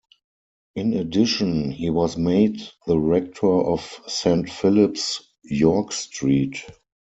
In addition, he was made the rector of Saint Philip's, York Street.